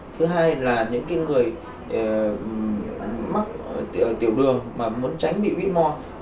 thứ hai là những người mắc tiểu đường mà muốn tránh bị whore